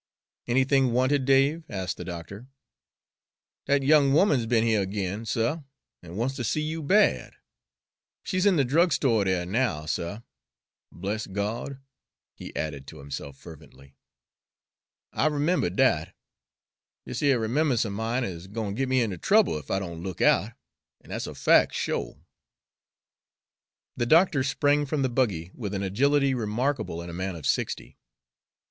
"Anything wanted, Dave?" asked the doctor. "Dat young 'oman's be'n heah ag'in, suh, an' wants ter see you bad. She's in de drugstore dere now, suh. Bless Gawd!" he added to himself fervently, "I 'membered dat. Dis yer recommemb'ance er mine is gwine ter git me inter trouble ef I don' look out, an' dat's a fac', sho'." The doctor sprang from the buggy with an agility remarkable in a man of sixty.